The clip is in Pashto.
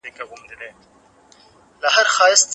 اختلافونه بايد موږ جلا نه کړي.